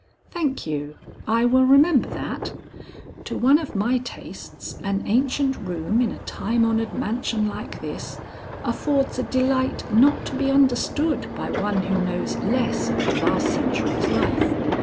"Thank you. I will remember that. To one of my tastes an ancient room in a time honored mansion like this, affords a delight not to be understood by one who knows less of the last century's life.